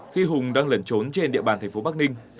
khi hùng đang lẩn trốn trên địa bàn thành phố bắc ninh